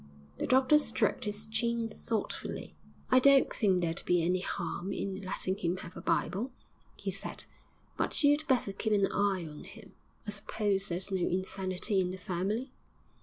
The doctor stroked his chin thoughtfully. 'I don't think there'd be any harm in letting him have a Bible,' he said, 'but you'd better keep an eye on him.... I suppose there's no insanity in the family?'